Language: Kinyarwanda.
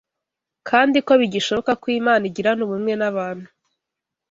kandi ko bigishoboka ko Imana igirana ubumwe n’abantu